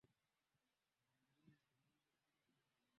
ya maegesho kwa Knole lakini unaweza kutembea